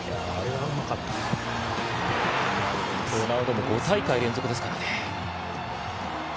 ロナウドも５大会連続です。